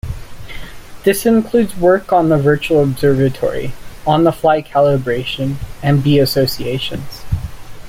This includes work on the Virtual Observatory, On-The-Fly Calibration, and B Associations.